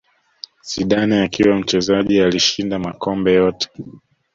Zidane akiwa mchezaji alishinda makombe yote